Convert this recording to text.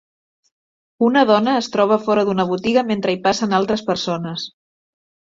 Una dona es troba fora d'una botiga mentre hi passen altres persones.